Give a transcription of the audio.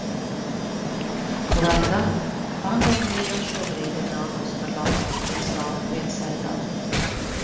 Lai gan – pandēmija jau šobrīd ir nākusi par labu Latvijas lauku viensētām.